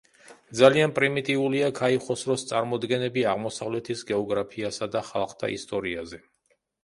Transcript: ძალიან პრიმიტიულია ქაიხოსროს წარმოდგენები აღმოსავლეთის გეოგრაფიასა და ხალხთა ისტორიაზე.